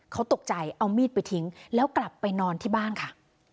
เขาตกใจเอามีดไปทิ้งแล้วกลับไปนอนที่บ้านค่ะ